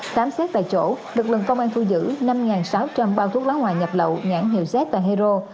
khám xét tại chỗ lực lượng công an thu giữ năm sáu trăm linh bao thuốc lá ngoại nhập lậu nhãn hiệu z và hero